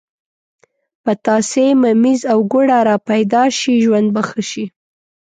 پتاسې، ممیز او ګوړه را پیدا شي ژوند به ښه شي.